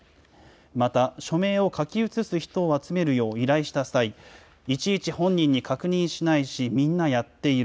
また、署名を書き写す人を集めるよう依頼した際、いちいち本人に確認しないし、みんなやっている。